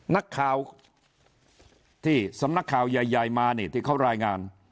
นักข่าวที่สำนักข่าวใหญ่มานี่ที่เขารายงาน